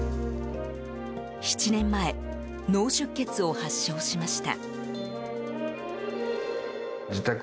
７年前、脳出血を発症しました。